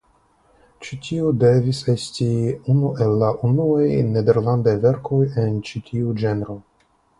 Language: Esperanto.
Ĉi tio devis esti unu el la unuaj nederlandaj verkoj en ĉi tiu ĝenro.